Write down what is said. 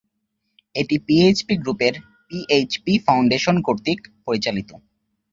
এটি পিএইচপি গ্রুপের PHP foundation কর্তৃক পরিচালিত।